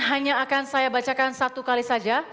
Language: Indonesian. hanya akan saya bacakan satu kali saja